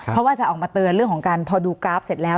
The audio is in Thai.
เพราะว่าจะออกมาเตือนเรื่องของการพอดูกราฟเสร็จแล้ว